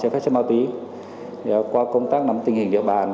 trên ma túy qua công tác nắm tình hình địa bàn